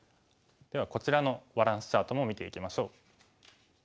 ではこちらのバランスチャートも見ていきましょう。